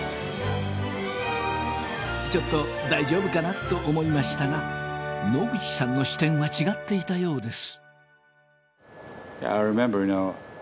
ちょっと大丈夫かな？と思いましたが野口さんの視点は違っていたようです。